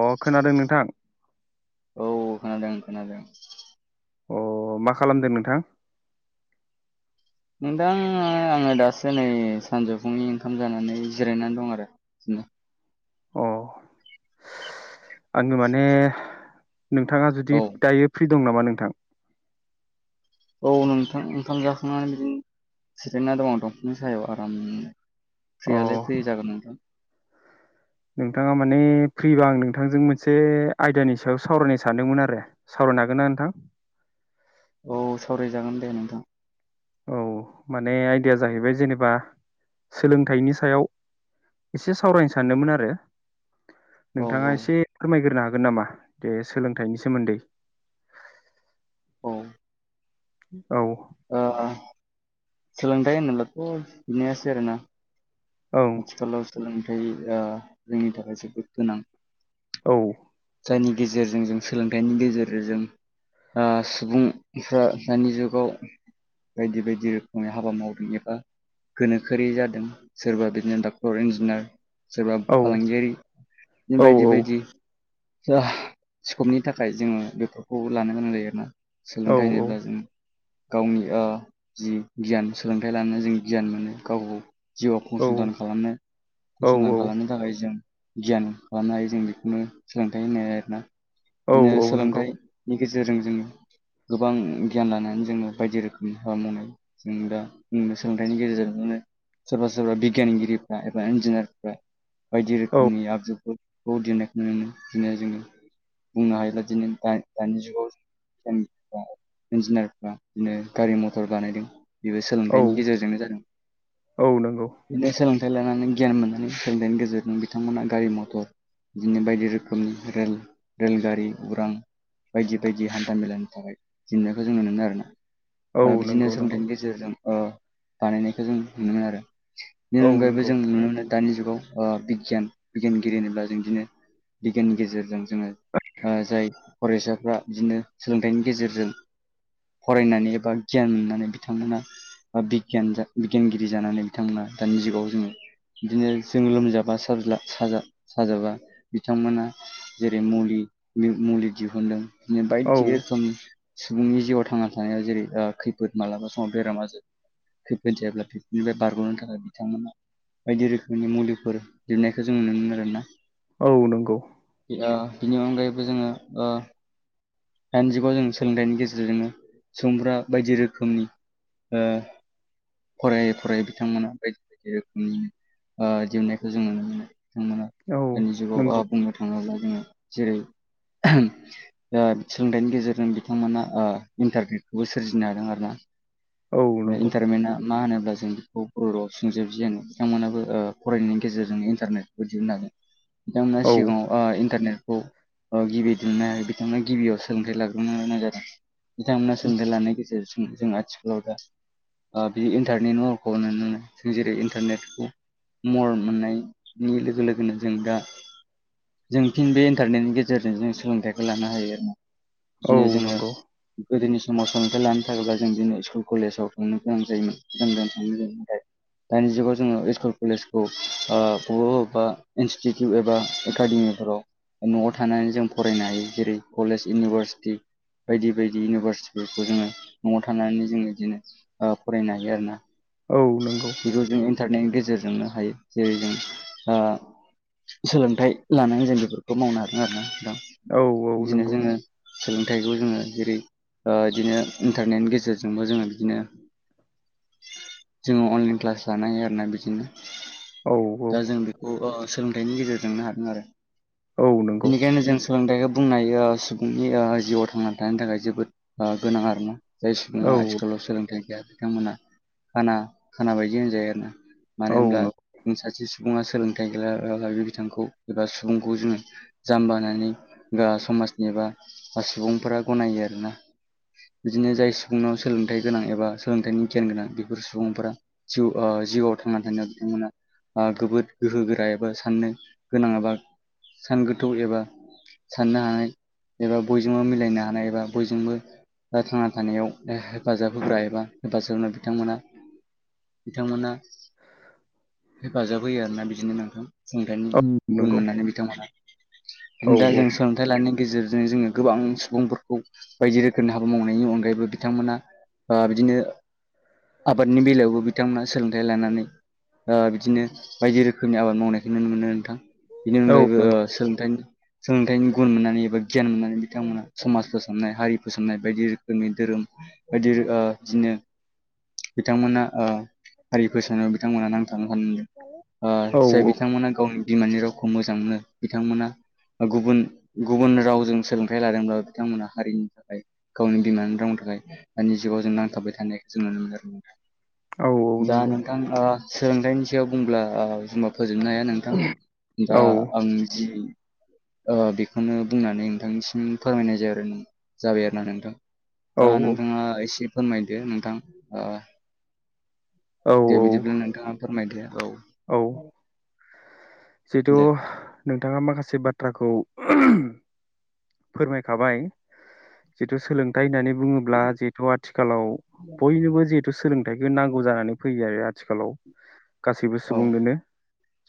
अ खोनादों नोंथां औ खोनादों खोनादों। अ मा खालामदों नोंथां नोंथां आंङो दासो नै सानजौफुनि ओंखाम जानानै जिरायनानै दं आरो ओम आंङो माने नोंथांङा औ जुदि दायो फ्रि दं नामा नोंथां औ नोंथां ओंखाम जाखांनानै बिदिनो सिरायना दं आं दंफांनि सायाव आराम अ फ्रियालाय फ्रि जागोन नोंथां नोंथांङा माने फ्रिबा आं नोंथांजों मोनसे आयदानि सायाव सावरायनो सानदोंमोन आरो सावरायनो हागोनना नोंथां औ सावरायजागोन दे नोंथां औ माने आयदाया जाहैबाय जेनेबा सोलोंथाइनि सायाव एसे सावरायनो सानदोंमोन आरो औ नोंथांङा एसे औ फोरमायग्रोनो हागोन नामा जे सोलोंथाइनि सोमोन्दै औ औ ओ-ओ सोलोंथाइ होनोब्लाथ' बिनायासै आरोना औ आथिखालाव सोलोंथाया जोंनि थाखाय जोबोद गोनां औ जायनि गेजेरजों जों सोलोंथाइनि गेजेरजों जों आ सुबुंफ्रा दानि जुगाव बायदि बायदि रोखोमै हाबा मावदों एबा गोनोखोआरि जादों सोरबा बिदि नो डाक्टर इन्जिनियार सोरबा औ फालांगियारि बिदि औ बायदि बायदि स्कपनि थाखाय जोंङो बेफोरखौ लानो गोनां जायो आरोना औ सोलोंथाइ होनोब्ला जों गावनि आ जि गियान सोलोंथाइ लानो जों गियान मोनो गाव जिउआव फसंथान खालामनो औ फसंथान खालामनो थाखाय जों गियान खालामनो हायो जों बेखौनो सोलोंथाइ होनो आरोना औ बिदिनो औ नंगौ सोलोंथाइ नि गेजेरजों जोंङो गोबां गियान लानानै जोंङो बायदि रोखोमनि हाबा मावनाय जों दा सोलोंथाइनि गेजेरजोंनो सोरबा सोरबा बि गियानगिरिफ्रा एबा इन्जिनियारफ्रा बायदि औ रोखोमनि आगजुफोर [unintelligible] दिनै जोंङो बुंनो हायोब्ला दिनै दानि जुगाव दानि जुगाव इन्जिनियारफ्रा बिदिनो गारि मथर बानायदों। बेबो औ सोलोंथाइनि गेजेरजोंनो जादों। औ नंगौ बिदिनो सोलोंथाइ लानानै गियान मोननानै सोलोंथाइनि गेजेरजों बिथांमोना गारि मथर बिदिनो बायदि रोखोमनि रेल रेलगारि उरां बायदि बायदि हान्था मेलानि थाखाय जेंनाखौ जों नुनो मोनो आरोना औ आ बिदिनो नंगौ नंगौ सोलोंथाइनि गेजेरजों बानायनायखौ जों नुनो मोनो आरो बेनि औ अनगायैबो नंगौ जों नुनो मोनो दानि जुगाव ओ बिगियान बिगियानगिरि होनोब्ला जों बिदिनो बिगियाननि गेजेरजों जोंङो ओ जाय फरायसाफ्रा बिदिनो सोलोंथाइनि गेजेरजों फरायनानै एबा गियान मोननानै बिथांमोना बा बिगियान बिगियानगिरि जानानै बिथांमोना दानि जुगाव जोंङो बिदिनो जों लोमजाबा साज्ला सा साजाबा बिथांमोना जेरै मुलि मुलि दिहुनदों औ बायदि रोखोमनि सुबुंनि जिउआव थांना थानायाव जेरै खैफोद मालाबा समाव बेराम आजाद खैफोद जायोब्लाथाय बेनिफ्राय बारग'नो थाखाय बिथांमोना बायदि रोखोमनि मुलिफोर दिहुननायखौ जों नुनो मोनो आरोना औ नंगौ आ बिनि अनगायैबो जोङो ओ दानि जुगाव जों सोलोंथाइनि गेजेरजोंनो सुबुंफोरा बायदि रोखोमनि ओ फरायै फरायै बिथांमोना बायदि बायदि रोखोमनि ओ दिहुनायखौ जों नुनो मोनो बिथांमोना औ दानि जुगाव नंगौ बुंनो थाङोब्ला जोङो जेरै आ सोलोंथाइनि गेजेरजों बिथांमोना ओ इन्टारनेटखौबो सोरजिनो हादों आरोना औ बे नंगौ इन्टारनेेटआ मा होनोब्ला जों बेखौ बर' राव संजिरद गियान होनो बिथांमोनहाबो ओ फरायनायनि गेजेरजोंनो इन्टारनेट बेखौ दिहुननानै [unintelligible] बिथांमोना औ सिगाङाव आ इन्टारनेटखौ गिबि दिहुननो बिथांमोना गिबियाव सोलोंथाइ लाग्रोनो गोनां जादों बिथांमोनहा सोलोंथाइ लानायनि गेजेरजों जों आथिखालाव दा आ बि इन्टारनेट महरखौ नुनो मोनो जों जेरै इन्टारनेटखौ महर मोननायनि लोगो लोगोनो जों दा जों फिन बे इन्टारनेटनि गेजेरजों जों सोलोंथाइखौ लानो हायो आरोना औ बिदिनो जोङो नंगौ गोदोनि समाव सोलोंथाइ लानो थाखायब्ला जों बिदिनो स्कुल कलेजाव थांनो गोनां जायोमोन गोजान गोजान थांनो थाखाय दानि जुगाव जोङो स्कुल कलेजखौ ओ बबेबा बबेबा इनसटिटिउट एबा एकाडेमिफोराव न'आव थानानै जों फरायनो हायो जेरै कलेज इउनिभारसिटि बायदि बायदि इउनिभारसिटिफोरखौ जोङो न'आव थानानै जोङो बिदिनो ओ फरायनो हायो आरोना औ नंगौ बेखौ जों इन्टारनेटनि गेजेरजोंनो हायो जेरै जों आ सोलोंथाइ लानानै जों बेफोरखौ मावनो हागोन आरोना नोंथां औ औ बिदिनो नंगौ जोङो सोलोंथाइखौ जोङो जेरै ओ दिनो इन्टारनेटनि गेजेरजोंबो जोङो बिदिनो जोङो अनलाइन क्लास लानो हायो आरोना बिदिनो औ दा जों बि औ आ सोलोंथाइनि गेजेरजोंनो हादों आरो औ नंगौ बेनिखायनो जों सोलोंथाइखौ बुंनो हायो ओ सुबुंनि ओ जिउआव थांनानै थानायनि थाखाय जोबोद आ गोनां आरोना जाय औ सुबुङा आथिखालाव सोलोंथाइ गैया बिथांमोनहा खाना खाना बायदि होनजायो आरोना मानो औ नंगौ औ नंगौ औ होनब्ला जों सासे सुबुङा सोलोंथाइ गैलालाबानो बे बिथांखौ एबा सुबुंखौ जोङो जाम्बा होननानै बा समाजनि एबा सुबुंफोरा गनायो आरोना बिदिनो जाय सुबुंनाव सोलोंथाइ गोनां एबा सोलोंथाइनि गियान गोनां बे फोर सुबुंफोरा जिउ ओ जिउआव थांनानै थानायाव बिथांमोना आ गोबोद गोहो गोरा एबा साननो गोनां एबा सान गोथौ एबा साननो हानाय एबा बयजोंबो मिलायनो हानाय एबा बयजोंबो थांना थानायाव हेफाजाब होग्रा एबा हेफाजाब जोंनो बिथांमोना बिथांमोना हेफाजाब होयो आरोना बिदिनो नोंथां सोलोंथाइनि औ गुन नंगौ मोननानै बिथांमोनहा दा जों सो थाइ लानायनि गेजेरजों जोङो गोबां सुबुंफोरखौ बायदि रोखोमनि हाबा मावनायनि अनगायैबो बिथांमोना ओ बिदिनो आबादनि बेलायावबो बिथांमोना सोलोंथाइ लानानै ओ बिदिनो बायदि रोखोमनि आबाद मावनायखौ नुनो मोनो नोंथां बेनि ओ अनगायैबो औ सोलोंथाइनि सोलोंथाइनि गुन मोननानै एबा गियान मोननानै बिथांमोना समाज फोसाबनाय हारि फोसाबनाय बायदि रोखोमनि धोरोम बायदि रो ओ बिदिनो बिथांमोना ओ हारि फोसावनायाव बिथांमोना नांथाना थानांदों औ ओ जाय बिथांमोना गावनि बिमानि राव खौ मोजां मोनो बिथांमोना गुबुन गुबुन रावजों सोलोंथाइ लादोंब्लाबो बिथांमोना हारिनि थाखाय गावनि बिमानि रावनि थाखाय दानि जुगाव जों नांथाबबाय थानाय जों नुनो मोनो आरो औ दा नंगौ नोंथां सोलोंथाइनि सायाव बुंब्ला फोजोबनो हाया नोंथां दा औ औ आं जि बेखौनो बुंनानै नोंथांनिसिम फोरमायनाय जायो आरोना जाबाय आरोना नोंथां दा औ नोंथाङा एसे फोरमायदो नोंथां आ औ दे बिदिब्ला नोंथाङा फोरमायदो औ औ जिथु दे नोंथाङा माखासे बाथ्राखौ फोरमायखाबाय जितु सोलोंथाइ होननानै बुङोब्ला जितु आथिखालाव बयनिबो जि थु' सोलोंथाइखौ नांगौ जानानै फैयो आरो आथिखालाव गासैबो औ सुबुंनोनो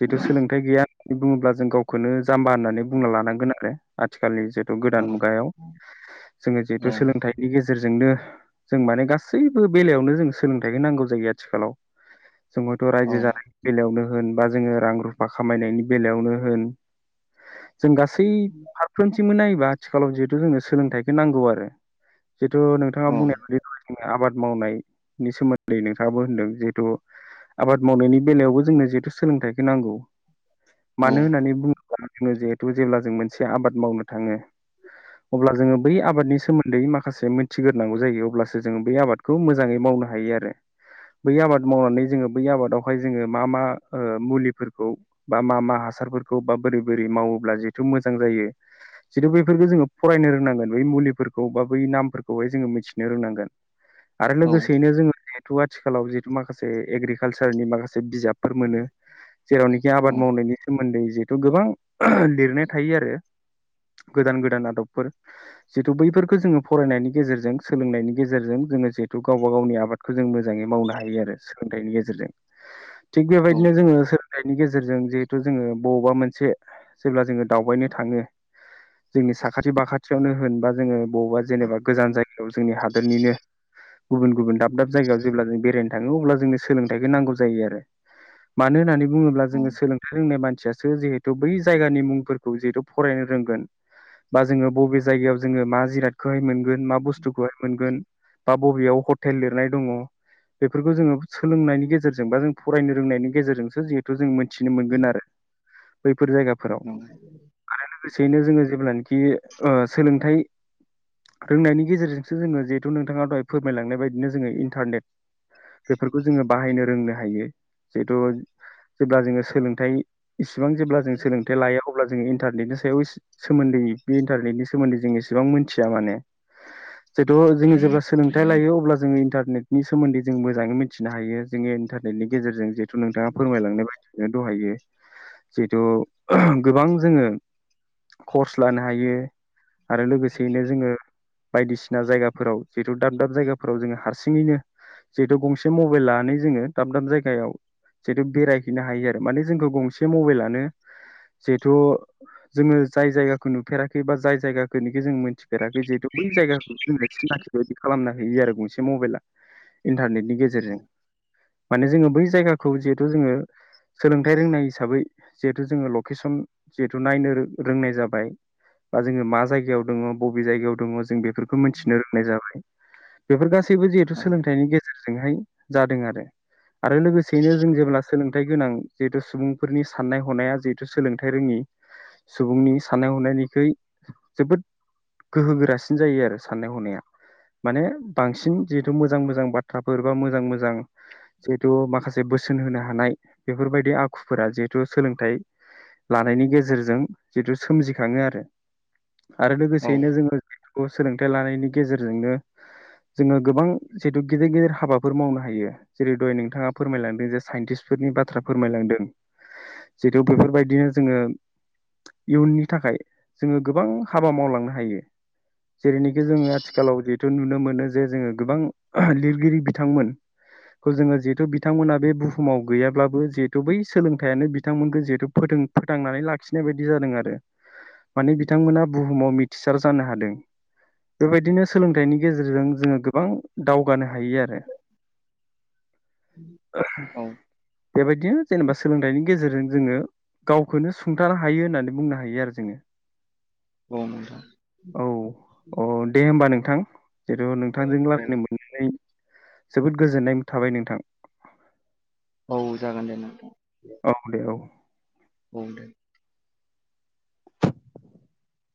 जिथु सोलोंथाइ गैया होननानै बुङोब्ला जों गाव खौनो जाम्बा होननानै बुंना लानांगोन आरो आथिखालनि जिहेथु औ गोदान मुगायाव जोङो औ जिहेतु सोलोंथाइनि गेजेरजोंनो जों माने गासैबो बेलायावनो जों सोलोंथाइखौ नांगौ जायो आथिखालाव जों हयथ औ रायजो जानायनि बेलायावनो होन बा जोङो रां रु फा खामायनायनि बेलायावनो होन जों गासै मोनफ्रोमबोथिंबो नायोबा आथिखालाव जिहेथु जोंनो सोलोंथाइखौ नांगौ आरो जिहेथु नोंथाङा औ बुंनाय बादि जोङो आबाद मावनाय नि सोमोन्दै नोंथाङाबो होनदों जिहेतु आबाद मावनायनि बेलायावबो जोंनो जिहेथु सोलोंथाइखौ नांगौ औ मानो होननानै बुङोब्ला जोङो जिहेथु जेब्ला जों मोनसे आबाद मावनो थाङो अब्ला जोङो बै आबादनि सोमोन्दै माखासे मोन थिगोरनांगौ जायो अब्लासो जोङो बे आबादखौ मोजाङै मावनो हायो आरो बै आबाद मावनानै जोङो बै आबादावहाय जोङो मा मा मुलिफोरखौ बा मा मा हासारफोरखौ बा बोरै बोरै मावोब्ला जिहेथु मोजां जायो जिथु बैफोरखौ जोङो फरायनो रोंनांगोन बै मुलिफोरखौ बा बै नामफोरखौहाय जोङो मिथिनो रोंनांगोन आरो लोगोसेयैनो जोङो जिहेतु आथिखालाव जिहेथु माखासे एग्रिकालसारनि माखासे बिजाब फोर मोनो जेरावनोखि औ आबाद मावनायनि सोमोन्दै जिहेथु गोबां लिरनाय थायो आरो गोदान गोदान आदबफोर जिहेतु बैफोरखौ जोङो फरायनायनि गेजेरजों सोलोंनायनि गेजेरजों जोङो जिहेतु गावबा गावनि आबाद खौ जों मोजाङै मावनो हायो आरो सोलोंथाइनि गेजेरजों [inaudible] थिग बेबायदिनो जोङो नि गेजेरजों जिहेथु जोङो बबावबा मोनसे जेब्ला जोङो दावबायनो थाङो जोंनि साखाथि बाखाथियावनो होन बा जोङो बबेबा जेनेबा गोजान जायगायाव जोंनि हादरनिनो गुबुन गुबुन दाब दाब जायगायाव जेब्ला जों बेरायनो थाङो अब्ला जोंनो सोलोंथाइखौ नांगौ जायो आरो मानो होननानै बुङोब्ला जोङो सोलोंथाइ रोंनाय मानसिया सो जिहेथु बै जायगानि मुंफोरखौ जिहेथु फरायनो रोंगोन बा जोङो बबे जायगायाव जोङो मा जिरादखौहाय मोनगोन मा बुस्थुखौहाय मोनगोन बा बबेयाव हटेल लिरनाय दङ बेफोरखौ जोङो सोलोंनायनि गेजेरजों बा जों फरायनो रोंनायनि गेजेरजोंसो जिहे थु जों मिथिनो मोनगोन आरो बैफोर जायगा औ आरो लोगोसेयैनो जोङो जेब्लानाखि सोलोंथाइ रोंनायनि गेजेरजोंसो जोङो जिहेथु नोंथाङा दहाय फोरमायलांनाय बायदिनो जोङो इन्टारनेट बेफोरखौ जोङो बाहायनो रोंनो हायो जिहेथु जेब्ला जोङो सोलोंथाइ इसिबां जेब्ला जों सोलोंथाइ लायो अ अब्ला जोंङो इन्टारनेटनि सायाव सोमोन्दै बे इन्टारनेटनि सोमोन्दै जों एसेबां मोनथिया माने जिहेथु जोंङो जेब्ला सोलोंथाइ लायो अब्ला जोंङो इन्टारनेटनि सोमोन्दै जों मोजांङै मि थिनो हायो जोंङोनो इन्टारनेटनि गेजेरजों जिहेथु नोंथांङा फोरमायलांनाय दहायो जिहेथु गोबां जोंङो कर्स लानो हायो आरो लोगोसेयैनो जोंङो बायदिसिना जायगाफोराव जिहेतु दाब दाब जायगाफोराव जोंङो हारसिङैनो जिहेतु गंसे मबाइल लानानै जोंङो दाब दाब जायगायाव जिहेथु बेराय हैनो हायो आरो माने जोंखौ गंसे मबाइलानो जहेथु जोंङो जाय जायगाखौ नुफेराखै बा जाय जायगाखौनोखि जों मोनथिफेराखै जिहेथु बै जायगाखौ जोंनो सिनाखि बायदि खालामना होयो आरो गंसे मबाइला इन्टारनेट नि गेजेरजों माने जोंङो बै जायगाखौ जिहेथु जोंङो सोलोंथाइ रोंनाय हिसाबै जिहेथु जोंङो लकेसन जिहेथु नायनो रोंनाय जाबाय बा जोंङो मा जायगायाव दंङो बबे जायगायाव दंङो जों बेफोरखौ मिथिनो रोंनाय जाबाय बेफोर गासैबो जिहेथु सोलोंथाइनि गेजेरजोंहाय जादों आरो आरो लोगोसेयैनो जों जेब्ला सोलोंथाइ गोनां जिहेतु सुबुंफोरनि साननाय हनाया जिहेतु सोलोंथाइ रोंङि सुबुंनि साननाय हनायनिखै जोबोद गोहो गोरासिन जायो आरो साननाय हनाया माने बांसिन जिहेथु मोजां मोजां बाथ्राफोर बा मोजां मोजां जिहेथु माखासे बोसोन होनो हानाय बेफोरबायदि आखुफोरा जिहेथु सोलोंथाइ लानायनि गेजेरजों जिथु सोमजिखांङो आरो आरो औ लोगोसेयैनो जोंङो बे सोलोंथाइ लानायनि गेजेरजोंनो जोंङो गोबां जिहेथु गिदिर गिदिर हाबाफोर मावनो हायो। जेरै दहाय नोंथांङा फोरमायलांदों जे साइन्टिस्टफोरनि बाथ्रा फोरमायलांदों। जिहेतु बेफोरबायदिनो जोंङो इयुननि थाखाय जोंङो गोबां हाबा मावलांनो हायो। जेरैनोखि जोंङो आथिखालाव जिहेथु नुनो मोनो जे जोंङो गोबां लिरगिरि बिथांमोनखौ जोंङो जिहेथु बिथांमोना बे बुहुमाव गैयाब्लाबो जिहेथु बै सोलोंथाइयानो बिथांमोनखौ जिहेथु फोथांनानै लाखिनाय बायदि जादों आरो माने बिथांमोना बुहुमाव मिथिसार जानो हादों। बेबायदिनो सोलोंथाइनि गेजेरजों जोंङो गोबां दावगानो हायो आरो बेबायदिनो जेनेबा सोलोंथाइनि गेजेरजों जोंङो गावखौनो सुंथानो हायो होननानै बुंनो हायो आरो जोंङो औ नोंथां औ औ दे होमबा नोंथां जिथु नोंथांजों औ लागायनो मोननानै जोबोद गोजोननाय थाबाय नोंथां औ जागोन दे नोंथां औ दे औ बुं दे